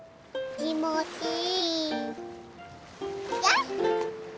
きもちいい。